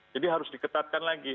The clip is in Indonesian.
jadi harus diketatkan lagi